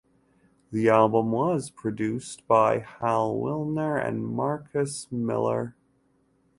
The album was produced by Hal Willner and Marcus Miller.